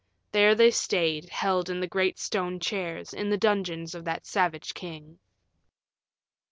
There they stayed, held in the great stone chairs in the dungeons of that savage king.